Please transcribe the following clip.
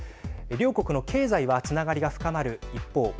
両国の経済はつながりが深まる一方